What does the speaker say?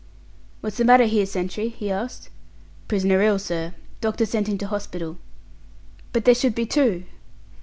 "What's the matter here, sentry?" he asked. "Prisoner ill, sir. Doctor sent him to hospital." "But there should be two."